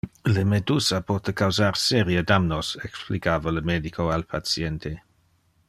"Le medusa pote causar serie damnos", explicava le medico al patiente.